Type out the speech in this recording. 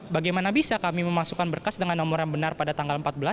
bagaimana bisa kami memasukkan berkas dengan nomor yang benar pada tanggal empat belas